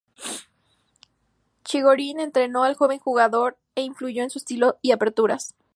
Chigorin entrenó al joven jugador, e influyó en su estilo y aperturas.